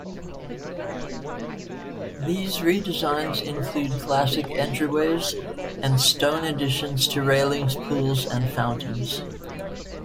These redesigns include classical entryways and stone additions to railings, pools, and fountains.